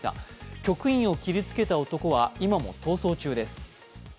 局員を切りつけた男は今も逃走中です。